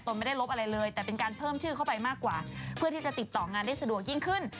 ไม่ได้ลบอะไรเลยแต่เป็นการเพิ่มชื่อเข้าไปมากกว่าเพื่อที่จะติดต่องานได้สะดวกยิ่งขึ้น